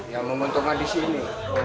yang menguntungkan di sini